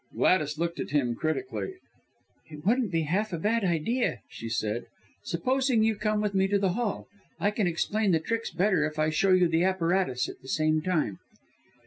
Gladys looked at him critically. "It wouldn't be half a bad idea," she said. "Supposing you come with me to the Hall, I can explain the tricks better if I show you the apparatus at the same time."